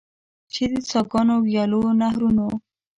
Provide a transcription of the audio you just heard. چې د څاګانو، ویالو، نهرونو.